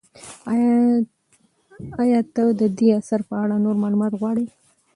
ایا ته د دې اثر په اړه نور معلومات غواړې؟